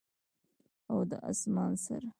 او د اسمان سره،